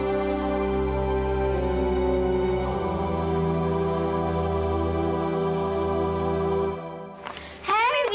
aku tak mau